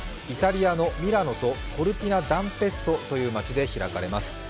イタリアのミラノ・コルティナダンペッツォという町で開かれます。